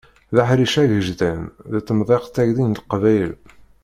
D aḥric agejdan deg temḍiqt-agi n Leqbayel.